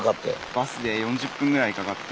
バスで４０分ぐらいかかって。